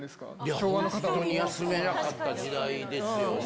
昭和の休めなかった時代ですよね。